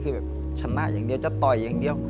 คือแบบชนะอย่างเดียวจะต่อยอย่างเดียว